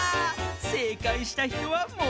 せいかいしたひとはものしり！